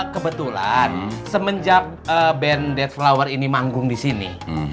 kebetulan semenjak band det flower ini manggung di sini